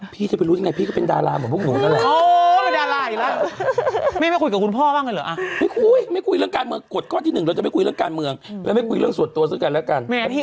พี่จะไปรู้ยังไงพี่ก็เป็นดาราเหมือนพวกหนูนั่นแหละ